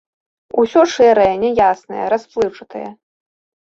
Усё шэрае, няяснае, расплыўчатае.